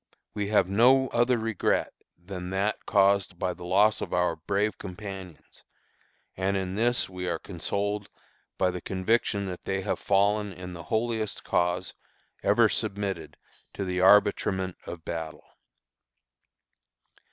We have no other regret than that caused by the loss of our brave companions; and in this we are consoled by the conviction that they have fallen in the holiest cause ever submitted to the arbitrament of battle."